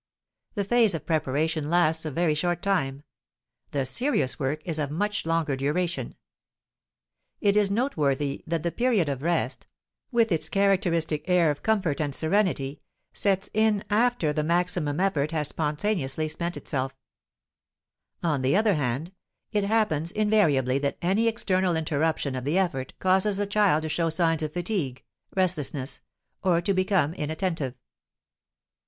The phase of preparation lasts a very short time, the serious work is of much longer duration; it is noteworthy that the period of rest, with its characteristic air of comfort and serenity, sets in after the maximum effort has spontaneously spent itself. On the other hand, it happens invariably that any external interruption of the effort causes the child to show signs of fatigue (restlessness), or to become inattentive.